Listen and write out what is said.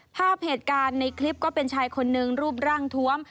ภาพเหตุการณ์ในคลิปก็เป็นชายคนนึงรูปร่างทวม